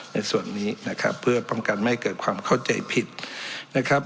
ในส่วนนี้นะครับเพื่อป้องกันไม่ให้เกิดความเข้าใจผิดนะครับ